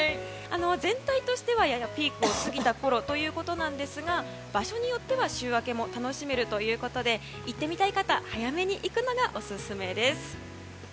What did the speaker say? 全体としてはややピークを過ぎたころということですが場所によっては週明けも楽しめるということで行ってみたい方早めに行くのがオススメです。